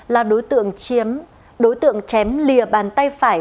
là đối tượng chém lìa bàn tay phải